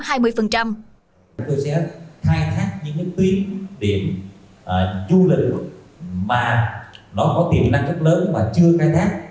chúng tôi sẽ khai thác những tuyến điểm du lịch mà nó có tiềm năng rất lớn mà chưa khai thác